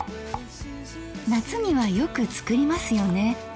夏にはよく作りますよね。